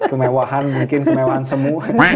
kemewahan mungkin kemewahan semua